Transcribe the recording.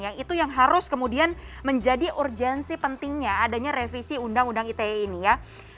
yang itu yang harus kemudian menjadi urgensi pentingnya adanya revisi undang undang ite ini ya